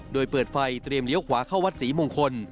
โดยเปิดไฟเตรียมเลี้ยวขวาเข้าวัดศรีมงคล